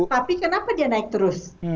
tapi kenapa dia naik terus